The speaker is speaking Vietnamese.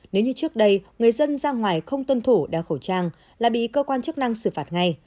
nếu như trước đây người dân ra ngoài không tuân thủ đeo khẩu trang là bị cơ quan chức năng xử phạt ngay